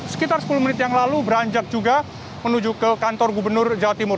sekitar sepuluh menit yang lalu beranjak juga menuju ke kantor gubernur jawa timur